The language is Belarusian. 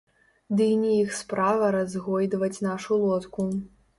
Дый не іх справа разгойдваць нашу лодку.